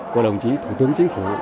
của đồng chí thủ tướng chính phủ